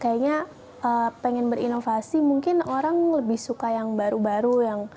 kayaknya pengen berinovasi mungkin orang lebih suka yang baru baru yang